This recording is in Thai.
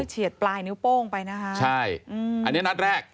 เฉียดปลายนิ้วโป้งไปนะคะใช่อืมอันนี้นัดแรก